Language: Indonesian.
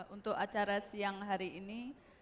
untuk acara siang hari ini